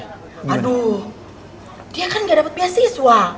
aduh dia kan gak dapat beasiswa